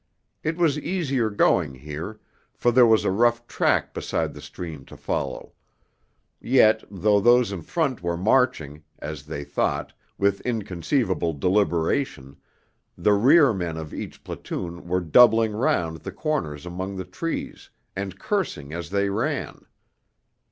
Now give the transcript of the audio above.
It was easier going here, for there was a rough track beside the stream to follow; yet, though those in front were marching, as they thought, with inconceivable deliberation, the rear men of each platoon were doubling round the corners among the trees, and cursing as they ran.